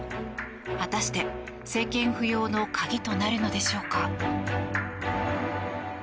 果たして、政権浮揚の鍵となるのでしょうか。